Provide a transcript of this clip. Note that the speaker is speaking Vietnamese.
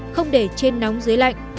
không để trên nóng dưới lạnh